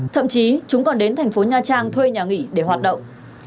thậm chí chúng còn đến thành phố nha trang thuê nhà nghỉ để hoạt động